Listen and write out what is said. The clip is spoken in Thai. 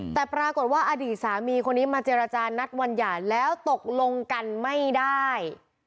แต่ปรากฏว่าอดีตสามีคนนี้มาเจรจานัดวันหย่าแล้วตกลงกันไม่ได้